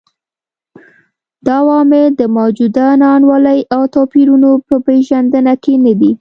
دا عوامل د موجوده نا انډولۍ او توپیرونو په پېژندنه کې نه دي.